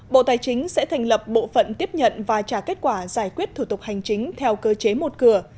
bộ tài chính sẽ thành lập bộ phận tiếp nhận và trả kết quả giải quyết thủ tục hành chính theo cơ chế một cửa